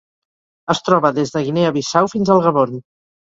Es troba des de Guinea Bissau fins al Gabon.